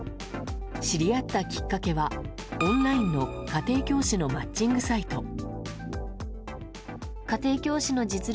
知り合ったきっかけはオンラインの家庭教師のマッチングサイト。